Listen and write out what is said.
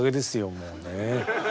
もうね。